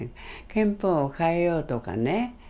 「憲法を変えよう」とかね。